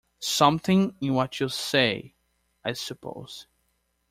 Something in what you say, I suppose.